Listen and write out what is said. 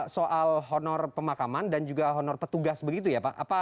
soal honor pemakaman dan juga honor petugas begitu ya pak